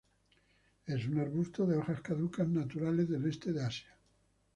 Es un arbusto de hojas caducas naturales del este de Asia.